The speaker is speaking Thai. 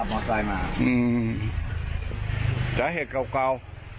แล้วเหตุเก่า